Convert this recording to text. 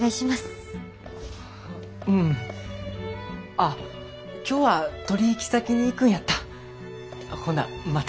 あ今日は取引先に行くんやった。